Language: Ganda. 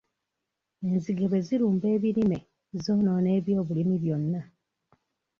Enzige bwe zirumba ebirime, zoonoona ebyobulimi byonna.